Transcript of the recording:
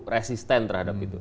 resisten terhadap itu